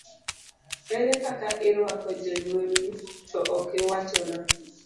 Ere kaka irwako jonyuolni, to okiwachona?